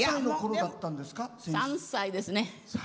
３歳ですね。